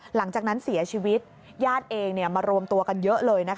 หลังจากนั้นเสียชีวิตญาติเองมารวมตัวกันเยอะเลย